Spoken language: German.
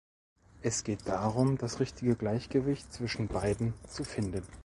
Es geht darum, das richtige Gleichgewicht zwischen beiden zu finden.